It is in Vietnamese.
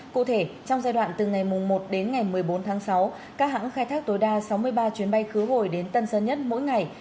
cụ thể trong giai đoạn từ ngày một đến ngày một mươi bốn tháng sáu các hãng khai thác tối đa sáu mươi ba chuyến bay khứ hồi đến tân sơn nhất mỗi ngày